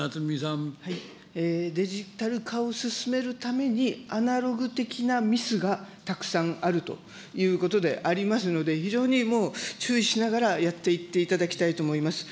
デジタル化を進めるために、アナログ的なミスがたくさんあるということでありますので、非常にもう注意しながらやっていっていただきたいと思います。